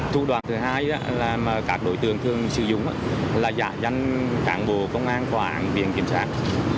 thủ đoán thứ hai là các đối tượng thường sử dụng là giả danh cán bộ công an quản viên kiểm soát